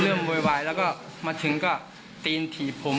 โวยวายแล้วก็มาถึงก็ตีนถีบผม